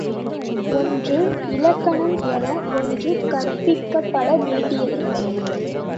ஒன்று இலக்கணம் என ஒன்று கற்பிக்கப்பட வேண்டியதில்லை.